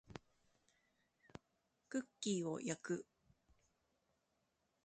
クッキーを焼く